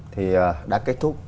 thì đã kết thúc